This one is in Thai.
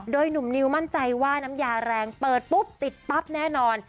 โดยหนุ่มนิวมั่นใจว่าน้ำยาแรงเปิดปุ๊บติดปั๊บแน่นอน